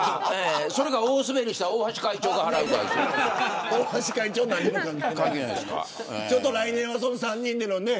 それか大スベリした大橋会長が払うかです。